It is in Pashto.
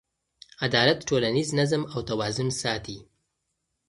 عدالت ټولنیز نظم او توازن ساتي.